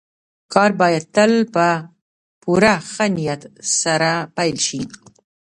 کار بايد تل په پوره ښه نيت سره پيل شي.